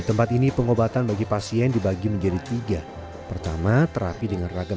tempat ini pengobatan bagi pasien dibagi menjadi tiga pertama terapi dengan ragam